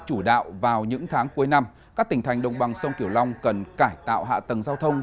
chủ đạo vào những tháng cuối năm các tỉnh thành đồng bằng sông kiểu long cần cải tạo hạ tầng giao thông